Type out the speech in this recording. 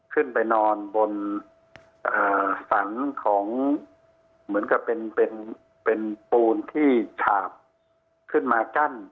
ขึ้นไปนอนบนฝันของเหมือนกับเป็นปูนที่ฉาบขึ้นมากั้น